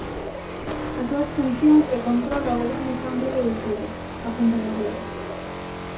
"As súas funcións de control ao Goberno están moi reducidas", apunta Nogueira.